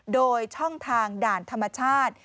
โดยช่องทางด่านธรรมชาติ